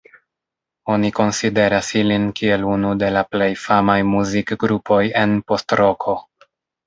Oni konsideras ilin kiel unu de la plej famaj muzikgrupoj en post-roko.